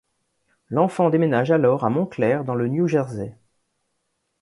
L'enfant déménage alors à Montclair, dans le New Jersey.